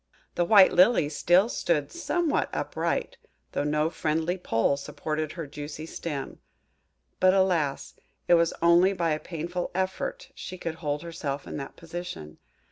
The white Lily still stood somewhat upright, though no friendly pole supported her juicy stem; but, alas! it was only by a painful effort she could hold herself in that position.